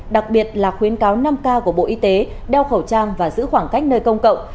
đặc biệt là khuyến cáo năm k của bộ y tế đeo khẩu trang và giữ khoảng cách nơi công cộng